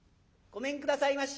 ごめんくださいまし」。